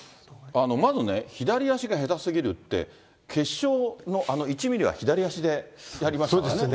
まずね、左足が下手すぎるって、決勝のあの１ミリは左足でやりましたからね。